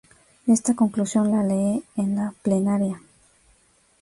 Esta conclusión la lee en la plenaria.